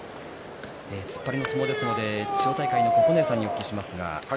突っ張りの相撲ですので千代大海の九重さんに聞きます。